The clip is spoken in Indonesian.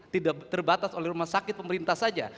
tidak terbatas oleh rumah sakit pemerintah saja